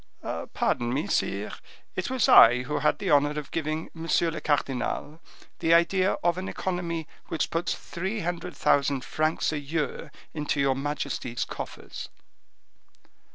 "Pardon me, sire, it was I who had the honor of giving monsieur le cardinal the idea of an economy which puts three hundred thousand francs a year into your majesty's coffers."